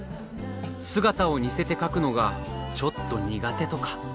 姿を似せて描くのがちょっと苦手とか。